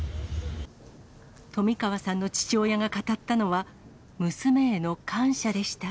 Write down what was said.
冨川さんの父親が語ったのは、娘への感謝でした。